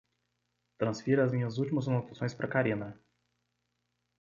Transfira as minhas últimas anotações para Karina